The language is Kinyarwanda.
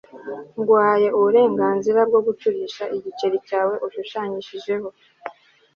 nguhaye uburenganzira bwo gucurisha igiceri cyawe ushushanyijeho